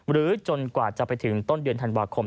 หรือจนกว่าจะไปถึงต้นเดือนธันวาคม